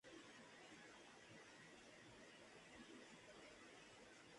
Por lo general la vinculación de los integrantes del movimiento era de manera epistolar.